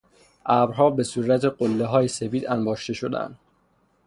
ابرها به صورت قلههای سپید انباشته شدهاند.